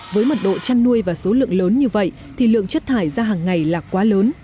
với mật độ chăn nuôi và số lượng lớn như vậy thì lượng chất thải ra hàng ngày là quá lớn